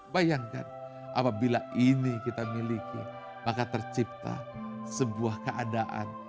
bayangkan apabila ini kita miliki maka tercipta sebuah keadaan